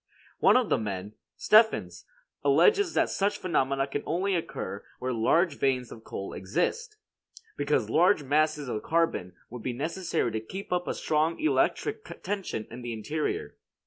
One of these men, Steffens, alleges that such phenomena can only occur where large veins of coal exist, because large masses of carbon would be necessary to keep up a strong electric tension in the interior.